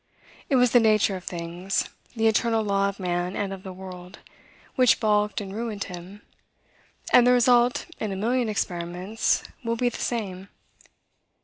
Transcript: It was the nature of things, the eternal law of man and of the world, which baulked and ruined him; and the result, in a million experiments, will be the same.